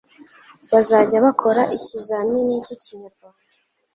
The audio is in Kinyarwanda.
bazajya bakora ikizamini cy'ikinyarwanda,